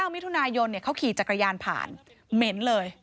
มิถุนายนเขาขี่จักรยานผ่านเหม็นเลย